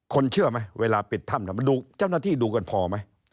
คนเชื่อไหมเวลาปิดธรรมดูเจ้ามนาธิดูกันพอไหม